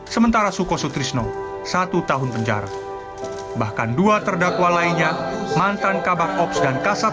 sementara suko sutrisno satu tahun penjara bahkan dua terdakwa lainnya mantan kabak ops dan kasat